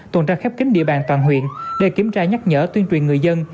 tuần tra khép kính địa bàn toàn huyện để kiểm tra nhắc nhở tuyên truyền người dân